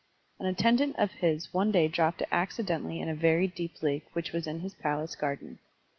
An attendant of his one day dropped it accidentally in a very deep lake which was in his palace garden.